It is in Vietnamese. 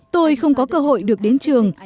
tôi không có cơ hội được đến trường